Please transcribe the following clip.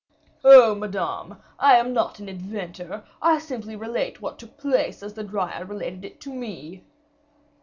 "Oh! Madame, I am not an inventor; I relate simply what took place as the Dryad related it to me."